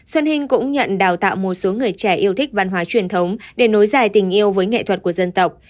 xuân hinh cũng nhận đào tạo một số người trẻ yêu thích văn hóa truyền thống để nối dài tình yêu với nghệ thuật của dân tộc